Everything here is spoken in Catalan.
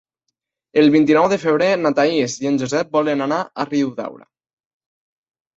El vint-i-nou de febrer na Thaís i en Josep volen anar a Riudaura.